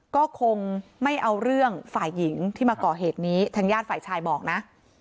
ก็คงไม่เอาเรื่องฝ่ายหญิงที่มาก่อเหตุนี้ทางญาติฝ่ายชายบอกนะ